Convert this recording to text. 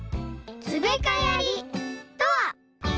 「つべかやり」とは？